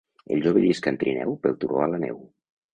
El jove llisca en trineu pel turó a la neu.